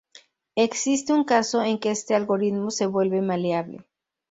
Existe un caso en que este algoritmo se vuelve maleable.